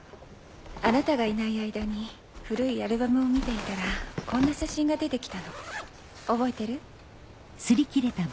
あなたがいない間に古いアルバムを見ていたらこんな写真が出て来たの覚えてる？